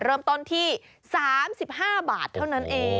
เริ่มต้นที่๓๕บาทเท่านั้นเอง